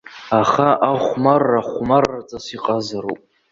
Аха ахәмарра, хәмарраҵас иҟазароуп.